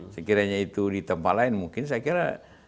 saya kiranya itu di tempat lain mungkin saya kira